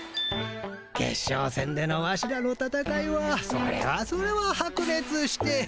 決勝戦でのワシらのたたかいはそれはそれは白熱して。